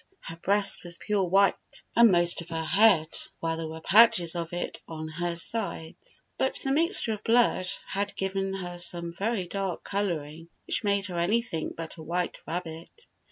Her breast was pure white, and most of her head, while there were patches of it on her sides. But the mixture of blood had given her some very dark coloring, which made her anything but a white rabbit.